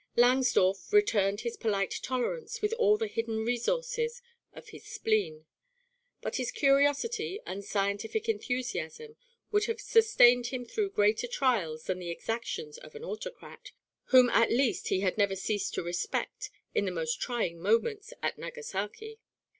Langsdorff returned his polite tolerance with all the hidden resources of his spleen; but his curiosity and scientific enthusiasm would have sustained him through greater trials than the exactions of an autocrat, whom at least he had never ceased to respect in the most trying moments at Nagasaki.